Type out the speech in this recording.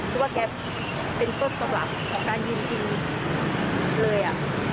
คิดว่าแกเป็นกดสรรพของการยืนกินเลย